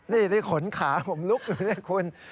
นี่ขนขาผมลุกอยู่นี่คุณ